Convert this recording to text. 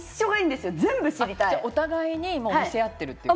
お互いに見せ合ってるってこと？